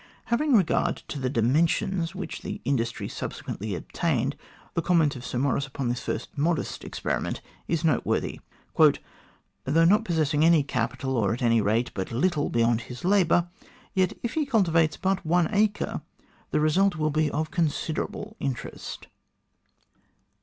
Having regard to the dimensions which this industry subsequently attained, the comment of Sir Maurice upon the first modest experiment is noteworthy :" Though not possessing any capital, or at any rate but little beyond his labour, yet if he cultivates but one acre, the result will be one of considerable interest."